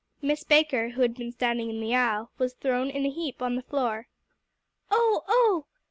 Miss Baker, who had been standing in the aisle, was down in a heap on the floor. "Oh, oh!"